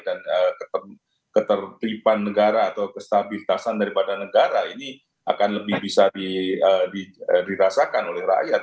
dan ketertipan negara atau kestabilitasan dari badan negara ini akan lebih bisa dirasakan oleh rakyat